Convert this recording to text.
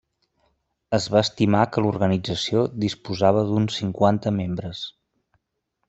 Es va estimar que l'organització disposava d'uns cinquanta membres.